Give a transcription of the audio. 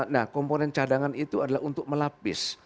nah komponen cadangan itu adalah untuk melapis